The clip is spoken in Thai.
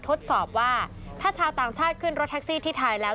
ทดสอบว่าถ้าชาวต่างชาติขึ้นรถแท็กซี่ที่ไทยแล้ว